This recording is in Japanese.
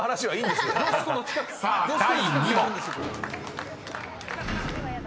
［さあ第２問］